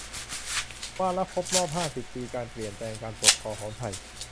วาระครบรอบห้าสิบปี การเปลี่ยนแปลงการปกครองของไทย